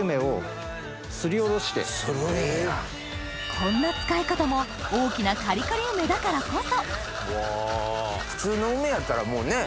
こんな使い方も大きなカリカリ梅だからこそ普通の梅やったらもうね？